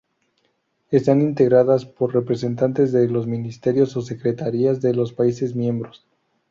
Están integradas por representantes de los ministerios o secretarías de los países miembros.